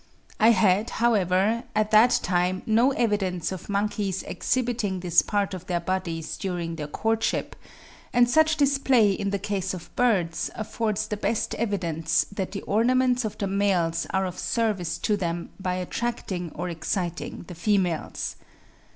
I had, however, at that time no evidence of monkeys exhibiting this part of their bodies during their courtship; and such display in the case of birds affords the best evidence that the ornaments of the males are of service to them by attracting or exciting the females.